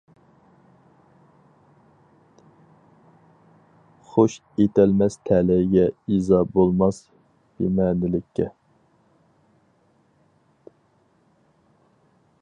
خۇش ئېتەلمەس تەلەيگە ئىزا بولماس بىمەنىلىككە.